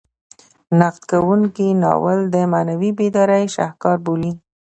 نقد کوونکي ناول د معنوي بیدارۍ شاهکار بولي.